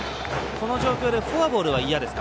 この状況でフォアボールは嫌ですか？